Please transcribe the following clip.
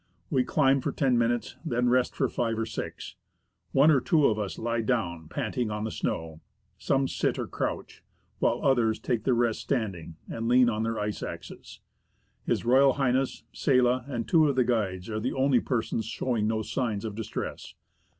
We climb for ten minutes, and then rest for five or six. One or two of us lie down 153 THE ASCENT OF MOUNT ST. ELIAS panting on the snow ; some sit or crouch, while others take their rest standing, and lean on their ice axes. H.R.H., Sella, and two of the guides are the only persons showing no signs of distress.